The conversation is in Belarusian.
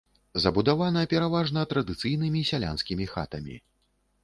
Забудавана пераважна традыцыйнымі сялянскімі хатамі.